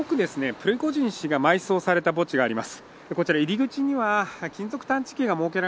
プリゴジン氏が埋葬された墓地があります